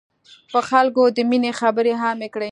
په خلکو د ميني خبري عامي کړی.